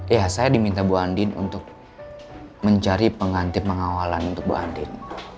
ya saya diminta bu andin untuk mencari pengganti pengawalan untuk bu andin